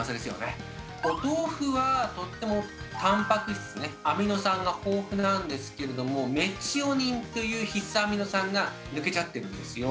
お豆腐はとってもたんぱく質ねアミノ酸が豊富なんですけれどもメチオニンという必須アミノ酸が抜けちゃってるんですよ。